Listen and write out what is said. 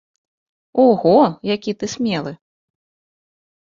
Ого, які ты смелы!